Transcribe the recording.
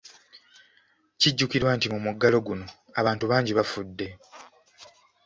Kijjukirwa nti mu muggalo guno, abantu bangi bafudde.